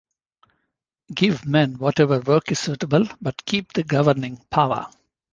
Give men whatever work is suitable, but keep the governing power.